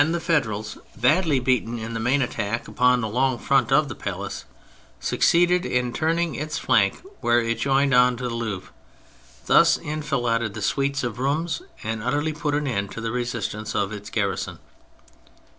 THE PHASES 117 Federals, badly beaten in their main attack upon the long front of the palace, suc ceeded in turning its flank where it joined on to the Louvre; they thus enfiladed the suites of rooms and utterly put an end to the resistance of its garrison.